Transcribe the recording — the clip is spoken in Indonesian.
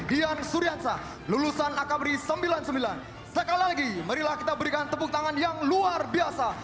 gian suriansah lulusan akabri sembilan puluh sembilan sekali lagi marilah kita berikan tepuk tangan yang luar biasa